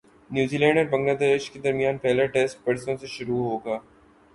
نیوزی Zealand Bangladesh کے درمیان پہلا ٹیسٹ پرسوں سے شروع ہوگا